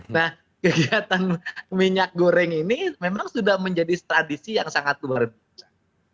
nah kegiatan minyak goreng ini memang sudah menjadi tradisi yang sangat luar biasa